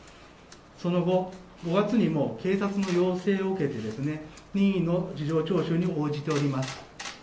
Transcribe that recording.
その後５月にも警察の要請を受けて任意の事情聴取に応じております。